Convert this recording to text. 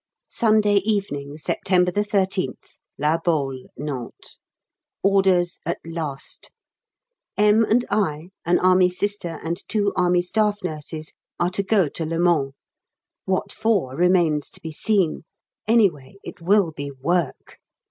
Sunday Evening, September 13th, La Baule, Nantes. Orders at last. M. and I, an Army Sister, and two Army Staff Nurses are to go to Le Mans; what for, remains to be seen; anyway, it will be work.